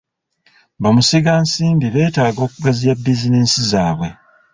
Bamusigansimbi beetaaga okugaziya bizinensi zaabwe.